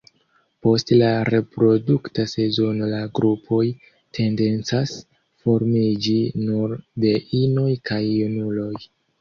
Post la reprodukta sezono la grupoj tendencas formiĝi nur de inoj kaj junuloj.